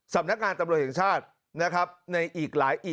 สำนักงานจำเป็น่ะครับ